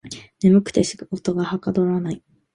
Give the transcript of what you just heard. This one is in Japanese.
眠くて仕事がはかどらない